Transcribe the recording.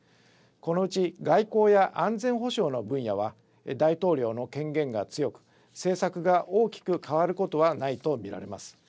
このうち外交や安全保障の分野は大統領の権限が強く政策が大きく変わることはないと見られます。